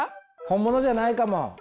本物じゃないかも。